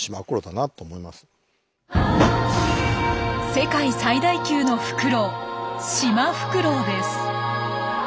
世界最大級のフクロウシマフクロウです。